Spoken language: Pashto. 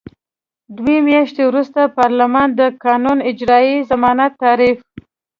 دوه میاشتې وروسته پارلمان د قانون اجرايوي ضمانت تعریف.